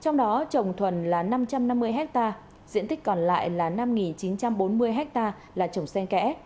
trong đó trồng thuần là năm trăm năm mươi ha diện tích còn lại là năm chín trăm bốn mươi ha là trồng sen kẽ